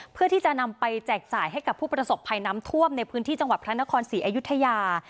เพื่อที่จะนำไปแจกจ่ายให้กับผู้ประสบภัยน้ำท่วมในพื้นที่จังหวัดพระนครศรีอยุธยา